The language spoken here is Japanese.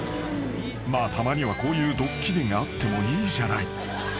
［まあたまにはこういうドッキリがあってもいいじゃない］